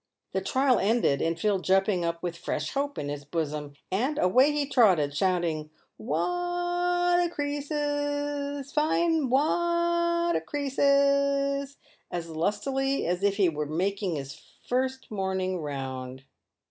The trial ended in Phil jumping up with fresh hope in his bosom, and away he trotted, shouting, " "Wa a ater cre e ases, fine wa a ter cre e ases !" as lustily as if he was making his first morning round.